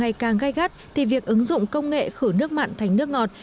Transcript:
khi khí hậu ngày càng gai gắt thì việc ứng dụng công nghệ khử nước mặn thành nước ngọt